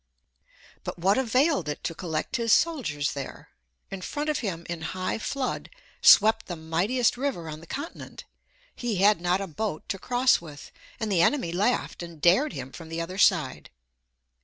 But what availed it to collect his soldiers there? In front of him, in high flood, swept the mightiest river on the continent; he had not a boat to cross with, and the enemy laughed and dared him from the other side.